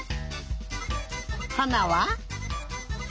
はなは？